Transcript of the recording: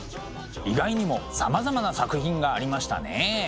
意外にもさまざまな作品がありましたね。